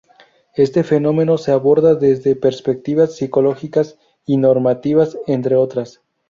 Este fenómeno se aborda desde perspectivas psicológicas y normativas, entre otras.